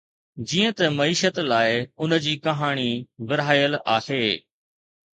جيئن ته معيشت لاء، ان جي ڪهاڻي ورهايل آهي.